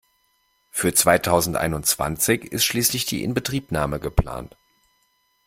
Für zweitausendeinundzwanzig ist schließlich die Inbetriebnahme geplant.